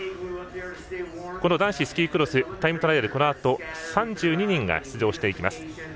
この男子スキークロスタイムトライアルこのあと３２人が出場していきます。